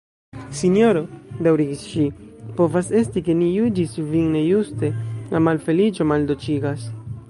"Sinjoro, daŭrigis ŝi, povas esti, ke ni juĝis vin nejuste: la malfeliĉo maldolĉigas."